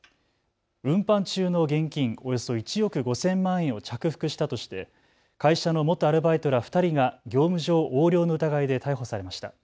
運搬中の現金およそ１億５０００万円を着服したとして会社の元アルバイトら２人が業務上横領の疑いで逮捕されました。